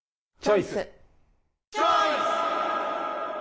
チョイス！